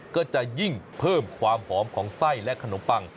ก็จะยิ่งเพิ่มความหอมของไส้และขนมปัง